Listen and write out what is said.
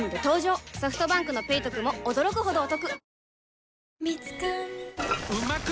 ソフトバンクの「ペイトク」も驚くほどおトク